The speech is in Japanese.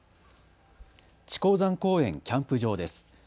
智光山公園キャンプ場です。